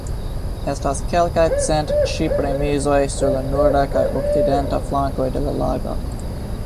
Estas kelkaj cent ŝip-remizoj sur la norda kaj okcidenta flankoj de la lago.